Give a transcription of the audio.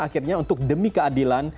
akhirnya untuk demi keadilan